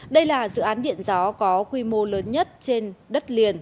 đây là dự án điện gió có quy mô lớn nhất trên đất liền